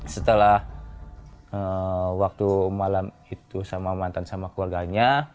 setelah waktu malam itu sama mantan sama keluarganya